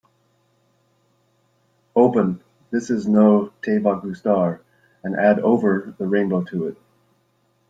Open this is no te va gustar and add Over the rainbow to it